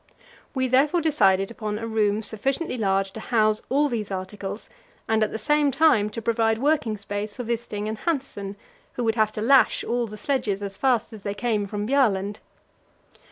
We therefore decided upon a room sufficiently large to house all these articles, and at the same time to provide working space for Wisting and Hanssen, who would have to lash all the sledges as fast as they came from Bjaaland.